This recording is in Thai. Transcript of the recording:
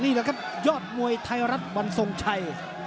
นี่แหละครับยอดมวยไทยรัฐวันทรงชัย